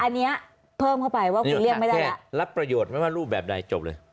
อันนี้เพิ่มเข้าไปว่าคุณเรียกไม่ได้รับประโยชน์ไหมว่ารูปแบบใดจบเลย